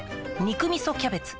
「肉みそキャベツ」